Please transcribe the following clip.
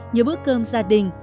nhớ bữa cơm gia đình